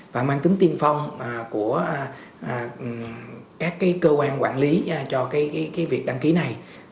và mang tính tiên phong của các cơ quan quản lý cho việc đăng ký này